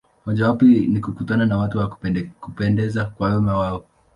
Mojawapo ni kukutana na watu wa kupendeza kwa wema wao.